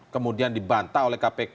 kemudian dibantah oleh kpk